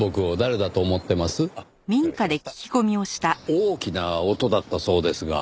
大きな音だったそうですが。